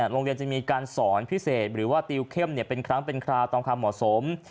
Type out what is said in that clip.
โรงเรียนจะมีการสอนพิเศษหรือว่าติวเข้มเป็นครั้งเป็นคราวตามความเหมาะสม